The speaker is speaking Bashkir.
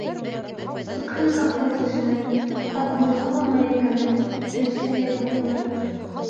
Сыҡһын колхоз эшенә, аҙ булһа ла майы кәмер, нәфсеһе баҫылыр.